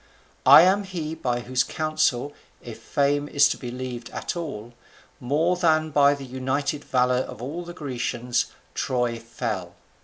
I am he by whose counsels, if Fame is to be believed at all, more than by the united valour of all the Grecians, Troy fell.